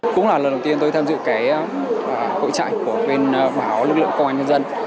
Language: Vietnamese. cũng là lần đầu tiên tôi tham dự cái hội trại của bên báo lực lượng công an nhân dân